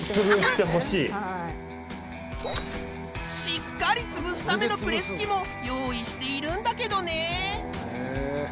しっかり潰すためのプレス器も用意しているんだけどね。